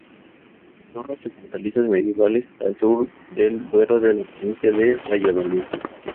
Torres y fortalezas medievales al sur del Duero en la provincia de Valladolid.